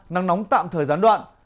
nắng nóng tạm thời gian đoạn